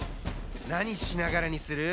なにしながらにする？